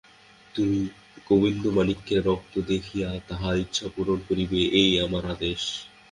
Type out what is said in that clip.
তুমি গোবিন্দমাণিক্যের রক্ত দেখাইয়া তাঁহার ইচ্ছা পূর্ণ করিবে, এই আমার আদেশ।